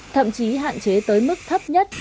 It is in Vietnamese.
thậm chí hạn chế tới mức thấp nhất